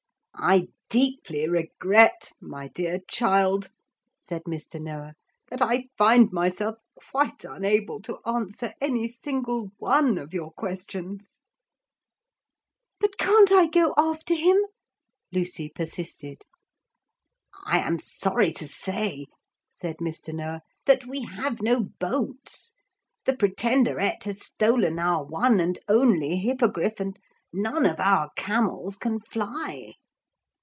'I deeply regret, my dear child,' said Mr. Noah, 'that I find myself quite unable to answer any single one of your questions.' 'But can't I go after him?' Lucy persisted. 'I am sorry to say,' said Mr. Noah, 'that we have no boats; the Pretenderette has stolen our one and only Hippogriff, and none of our camels can fly.'